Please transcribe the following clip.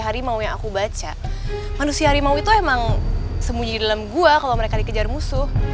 harimau yang aku baca manusia harimau itu emang sembunyi di dalam gua kalau mereka dikejar musuh